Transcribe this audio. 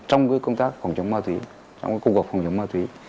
trong công tác phòng chống ma túy trong công cuộc phòng chống ma túy